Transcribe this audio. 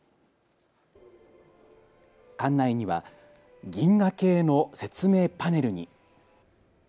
館内には銀河系の説明パネルに。